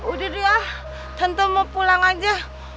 udah deh tante mau pulang aja